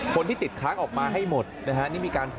คนที่ติดค้างออกมาให้หมดนะฮะ